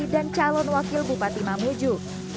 dan calon wakil bupati mamuju